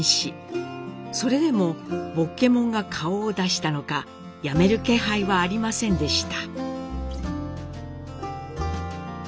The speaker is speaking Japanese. それでも「ぼっけもん」が顔を出したのかやめる気配はありませんでした。